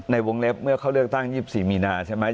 ในวงเล็บเมื่อเขาเลือกตั้ง๒๔มีนาใช่ไหม